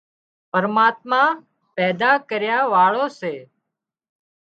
پرماتما پيدا ڪريا واۯو سي